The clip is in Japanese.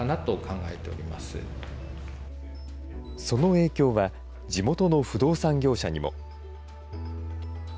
その影響は地元の不動産業者にも。